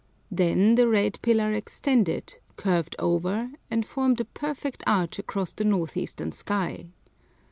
Then the red pillar extended, curved over, and formed a perfect arch across the north eastern sky.